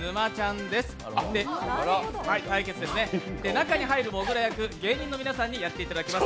中に入るモグラ役、芸人の皆さんにやっていただきます。